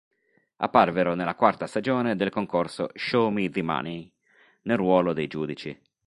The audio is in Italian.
Apparvero nella quarta stagione del concorso "Show Me the Money" nel ruolo dei giudici.